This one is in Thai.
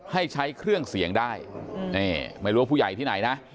ให้ใช้เครื่องเสียงได้นี่ไม่รู้ว่าผู้ใหญ่ที่ไหนนะ